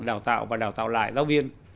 đào tạo và đào tạo lại giáo viên